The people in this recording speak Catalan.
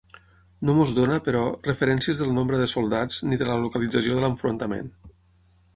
No ens dóna, però, referències del nombre de soldats ni de la localització de l'enfrontament.